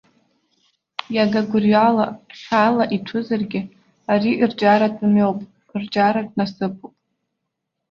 Иага гәырҩала, хьаала иҭәызаргьы, ари рҿиаратә мҩоуп, рҿиаратә насыԥуп.